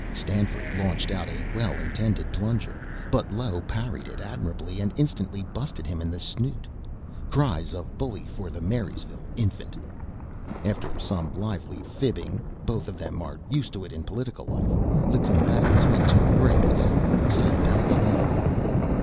Stanford launched out a well intended plunger, but Low parried it admirably and instantly busted him in the snoot. (Cries of "Bully for the Marysville Infant!") After some lively fibbing (both of them are used to it in political life,) the combatants went to grass. (See "Bell's Life.")